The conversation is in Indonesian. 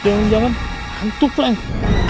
jangan jangan hantu plank